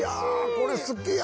これ好きや！